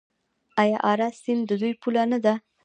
آیا اراس سیند د دوی پوله نه ده؟